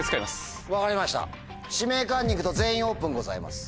分かりました「指名カンニング」と「全員オープン」ございます。